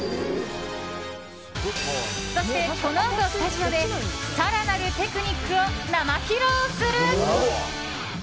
そして、このあとスタジオで更なるテクニックを生披露する。